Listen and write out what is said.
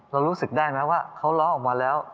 เรารู้สึกได้นะว่าเขาล้อออกมาแล้ว